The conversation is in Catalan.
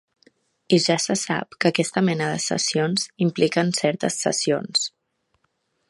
I ja se sap que aquesta mena de sessions impliquen certes cessions.